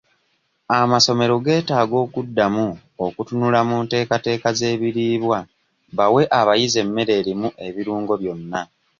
Amasomero geetaaga okuddamu okutunula mu nteekateeza z'ebiriibwa bawe abayizi emmere erimu ebirungo byonna.